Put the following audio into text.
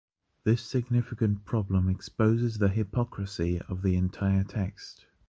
This significant problem exposes the hypocrisy of the entire text.